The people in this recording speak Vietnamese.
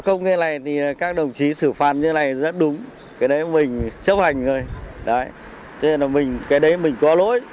không nghe này thì các đồng chí xử phạt như thế này rất đúng cái đấy mình chấp hành rồi đấy thế là cái đấy mình có lỗi